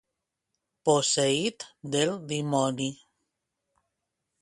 Posseït del dimoni.